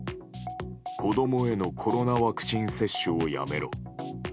子供へのコロナワクチン接種はやめろ。